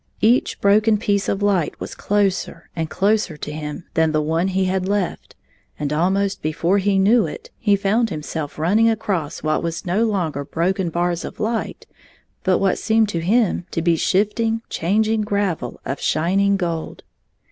Each broken piece of light was closer and closer to him than the one he had left, and almost before he knew it he found himself running across what was no longer broken bars of light but what seemed to him to be shifting, changing gravel of shining gold.